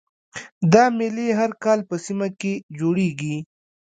دا میلې هر کال په سیمه کې جوړیږي